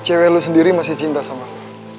cewek lo sendiri masih cinta sama lo